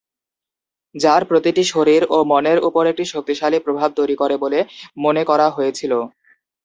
যার প্রতিটি শরীর ও মনের উপর একটি শক্তিশালী প্রভাব তৈরী করে বলে মনে করা হয়েছিল।